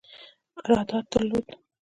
ارادت درلود.